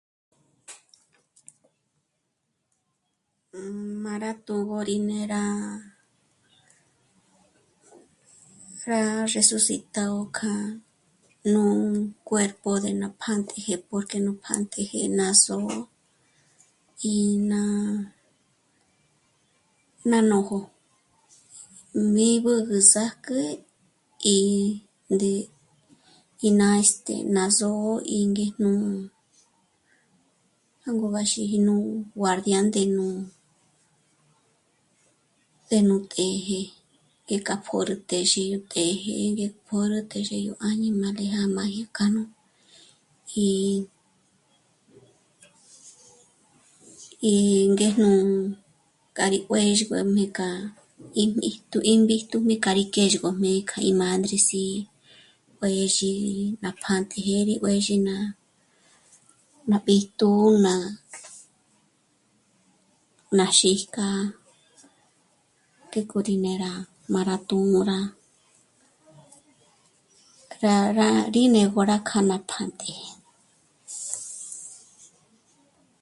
Má rá tûguro rí né'e rá, rá resucitágö k'a nú cuerpo de ná pjántëjë, porque nú pjántëjë ná só'o í ná..., ná nójo, mí b'ǚgü sâjk'ü í ndí'i í ná este..., ná só'o í ngéjnu jângo gá xíji nú guardián de nú, de nú të́jë jé k'a pjôrü téxi yó të́jë ngé pjôrü téxe yó áñimale má já gí kjâ'aji k'a nú í..., í ngéjnu k'a rí juë̌zhgöjmé k'a ímíjtu, ím b'íjtu k'a rí kë́xgöjmé, k'a í mândres'i pa dyé xídyi ná pjántëjë rí juë̌zhi ná, ná b'íjtu, ná xíjk'a, ngék'o rí né'e rá má rá tûm'ura. Rá, rá, rí né'egö rá kjâ'a ná pjántëjë